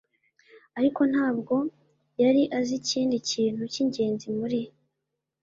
ariko ntabwo yari azi ikindi kintu cyingenzi muri